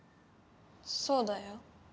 そうだよ。